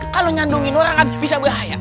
kalau nyandungin orang kan bisa bahaya